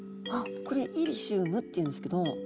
これイリシウムっていうんですけど。